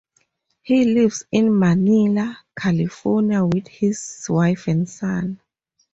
He lives in Manila, California with his wife and son.